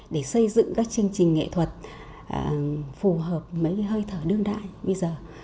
để xây dựng các chương trình nghệ thuật phù hợp với hơi thở đương đại bây giờ